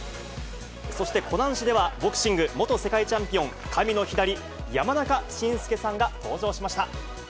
そして湖南市では、ボクシング元世界チャンピオン、神の左、山中慎介さんが登場しました。